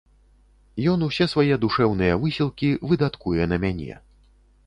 Ён усе свае душэўныя высілкі выдаткуе на мяне.